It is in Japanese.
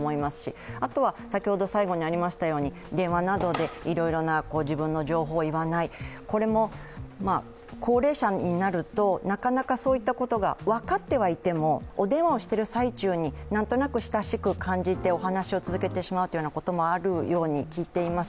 あとは、電話などでいろいろな自分の情報を言わないこれも高齢者になるとなかなかそういったことが分かってはいてもお電話をしている最中に、何となく親しく感じてしまうといこともあると聞いています。